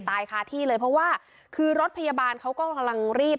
คาที่เลยเพราะว่าคือรถพยาบาลเขาก็กำลังรีบ